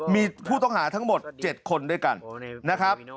มีผู้ต้องหาทั้งหมด๗คนด้วยกันนะครับ